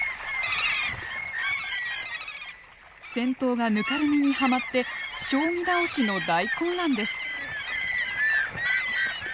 先頭がぬかるみにはまって将棋倒しの大混乱です。